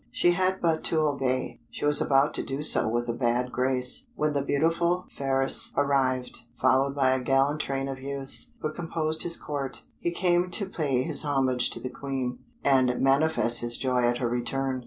She had but to obey. She was about to do so with a bad grace, when the beautiful Phratis arrived, followed by a gallant train of youths who composed his Court; he came to pay his homage to the Queen, and manifest his joy at her return.